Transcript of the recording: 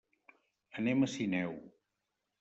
Anem a Sineu.